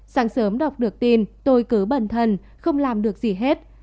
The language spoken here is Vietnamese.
sáng sớm đọc được tin tôi cứ bản thân không làm được gì hết